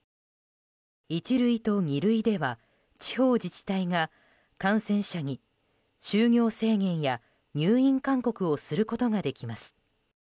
一類と二類では地方自治体が感染者に就業制限や入院勧告をすることができます。